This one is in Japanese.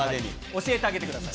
教えてあげてください。